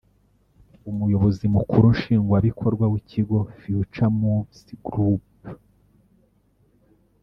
umuyobozi mukuru nshingwabikorwa w’ikigo Future-Moves Group